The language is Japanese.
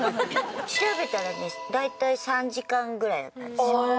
調べたら大体３時間ぐらいだったんですよ。